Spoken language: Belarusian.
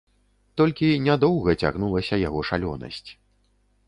Толькі нядоўга цягнулася яго шалёнасць.